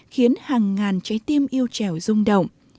khiến hàng ngàn trái tim yêu trèo rung động